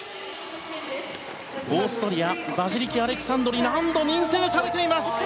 オーストリアヴァジリキ・アレクサンドリ難度認定されています！